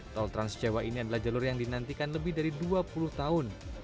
tol trans jawa ini adalah jalur yang dinantikan lebih dari dua puluh tahun